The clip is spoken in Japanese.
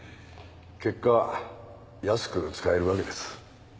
結果安く使えるわけです。